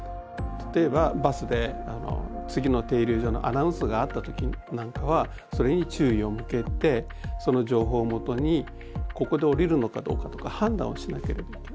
例えばバスで次の停留所のアナウンスがあった時なんかはそれに注意を向けてその情報をもとにここで降りるのかどうかとか判断をしなければいけない。